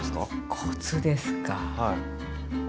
コツですか。